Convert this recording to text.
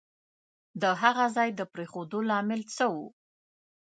د هغه ځای د پرېښودو لامل څه وو؟